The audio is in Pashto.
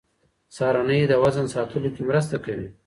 سهارنۍ د وزن ساتلو کې مرسته کوي.